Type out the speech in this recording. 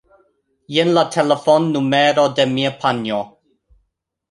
Jen la telefonnumero de mia panjo.